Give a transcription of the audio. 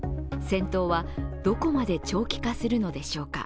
戦闘はどこまで長期化するのでしょうか。